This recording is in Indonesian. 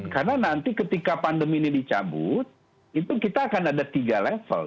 karena nanti ketika pandemi ini dicabut itu kita akan ada tiga level